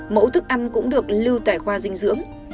mẫu thức ăn cũng được lưu tại khoa dinh dưỡng